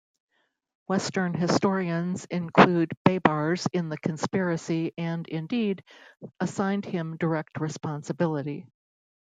Western historians include Baibars in the conspiracy and, indeed, assign him direct responsibility.